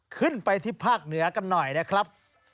ขึ้นไปที่ภาคเหนือกันหน่อยนะครับ